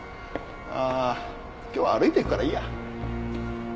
ああ今日は歩いていくからいいや。